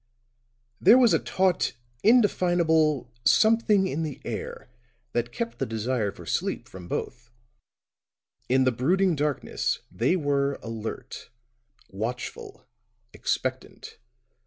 There was a taut, indefinable something in the air that kept the desire for sleep from both; in the brooding darkness they were alert, watchful, expectant.